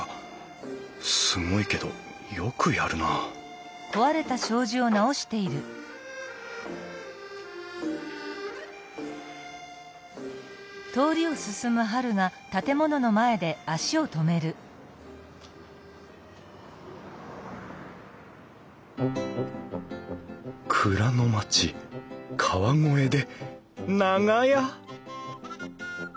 すごいけどよくやるなあ蔵の街川越で長屋！？